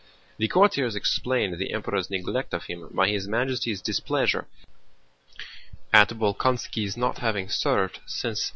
The courtiers explained the Emperor's neglect of him by His Majesty's displeasure at Bolkónski's not having served since 1805.